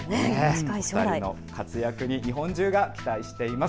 近い将来、お二人の活躍に日本中が期待しています。